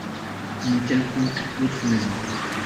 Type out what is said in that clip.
Une quelconque autre maison.